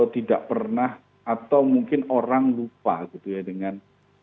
tidak pernah atau mungkin orang lupa gitu ya dengan